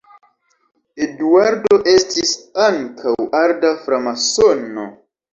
Eduardo estis ankaŭ arda framasono.